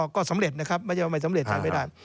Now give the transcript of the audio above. ก็สำเร็จนะครับไม่ใช่ว่าไม่สำเร็จใช้ไม่ได้